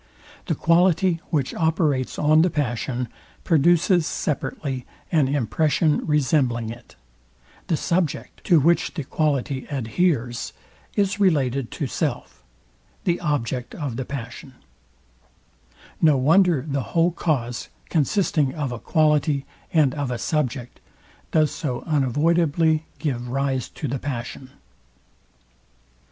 The quality, which operates on the passion, produces separately an impression resembling it; the subject, to which the quality adheres, is related to self, the object of the passion: No wonder the whole cause, consisting of a quality and of a subject, does so unavoidably give rise to the pass on.